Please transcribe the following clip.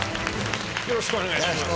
よろしくお願いします。